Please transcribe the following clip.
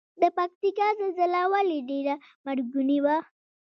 د پکتیکا زلزله ولې ډیره مرګونې وه؟